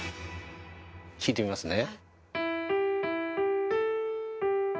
弾いてみますね。